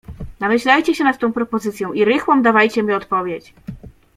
"Namyślajcie się nad tą propozycją i rychłą dawajcie mi odpowiedź."